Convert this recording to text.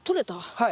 はい。